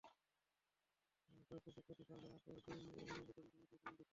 ফরেস্ট্রির শিক্ষার্থী ফারজানা আকতারের দুই মেয়ে মনোমুগ্ধকর নাচে মাতিয়ে তোলেন দর্শকদের।